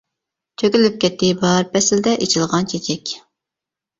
تۆكۈلۈپ كەتتى باھار پەسلىدە ئېچىلغان چېچەك.